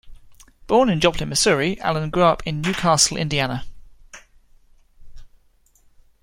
Born in Joplin, Missouri, Allen grew up in New Castle, Indiana.